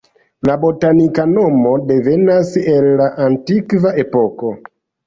La botanika nomo devenas el la antikva epoko.